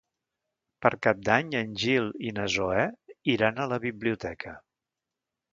Per Cap d'Any en Gil i na Zoè iran a la biblioteca.